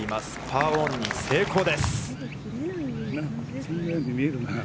パーオンに成功です。